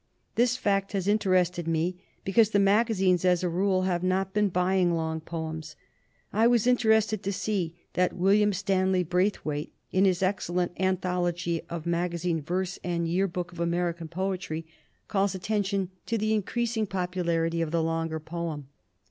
This fact has interested me because the maga zines, as a rule, have not been buying long poems. 206 LITERATURE IN COLLEGES I was interested to see that William Stanley Braithwaite, in his excellent Anthology of Mag azine Verse and Y ear Book of American Poetry, calls attention to the increasing popularity of the longer poem.